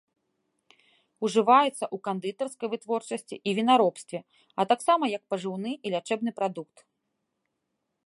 Ужываецца ў кандытарскай вытворчасці і вінаробстве, а таксама як пажыўны і лячэбны прадукт.